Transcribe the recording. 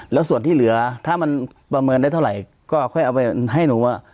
แล้วส่วนที่เหลือถ้ามันประเมินได้เท่าไหร่ก็ค่อยเอาไปให้หนูว่า